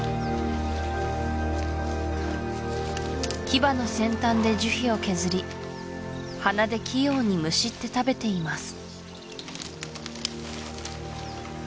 キバの先端で樹皮を削り鼻で器用にむしって食べています